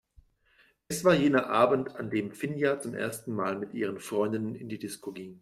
Es war jener Abend, an dem Finja zum ersten Mal mit ihren Freundinnen in die Disco ging.